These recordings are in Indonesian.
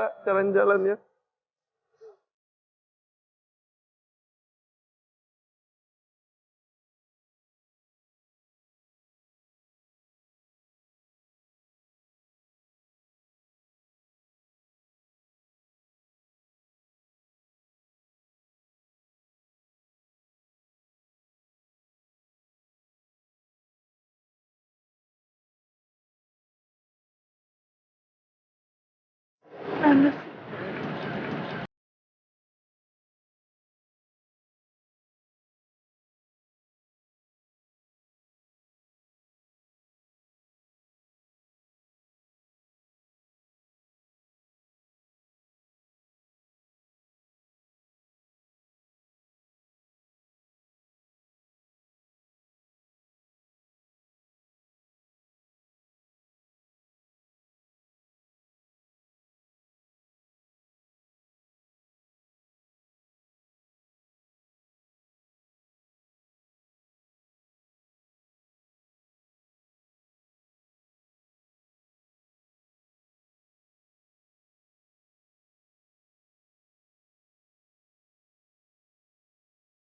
assalamualaikum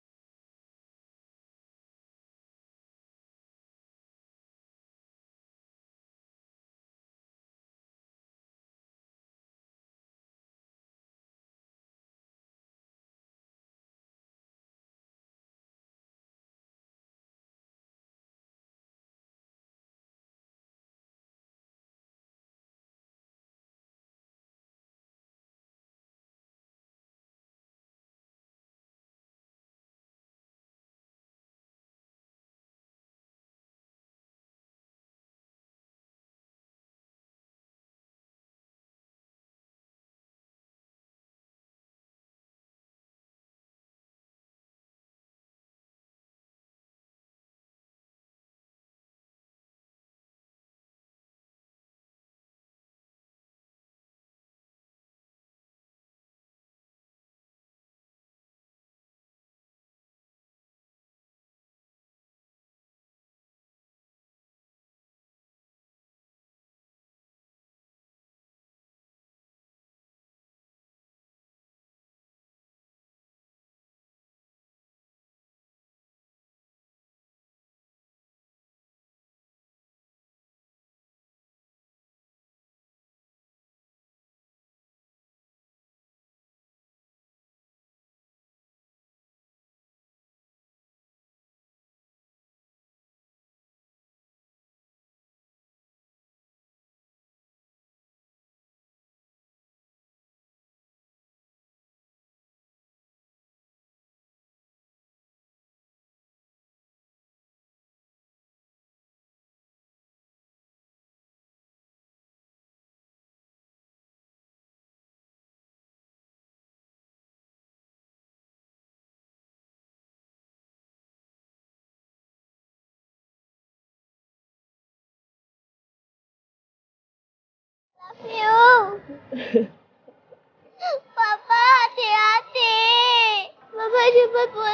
warahmatullahi wabarakatuh